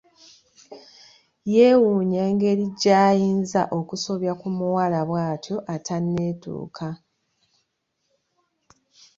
Yeewuunya engeri gy'ayinza okusobya ku muwala bw'atyo atanneetuuka.